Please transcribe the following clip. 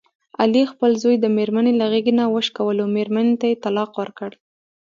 علي خپل زوی د مېرمني له غېږې نه وشکولو، مېرمنې ته یې طلاق ورکړ.